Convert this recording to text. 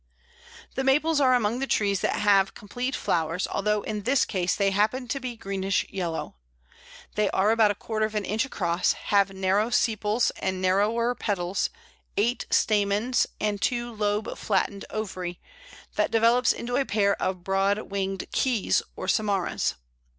The Maples are among the trees that have complete flowers, although in this case they happen to be greenish yellow. They are about a quarter of an inch across, have narrow sepals and narrower petals, eight stamens, and a two lobed flattened ovary, that develops into the pair of broad winged "keys," or samaras.